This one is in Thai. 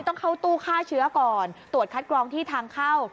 ต้องเข้าตู้ฆ่าเชื้อก่อนตรวจคัดกรองที่ทางเข้า